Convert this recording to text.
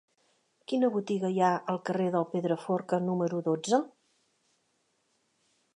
Quina botiga hi ha al carrer del Pedraforca número dotze?